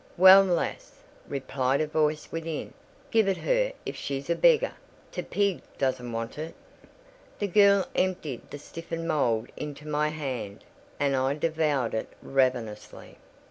"Well lass," replied a voice within, "give it her if she's a beggar. T' pig doesn't want it." The girl emptied the stiffened mould into my hand, and I devoured it ravenously.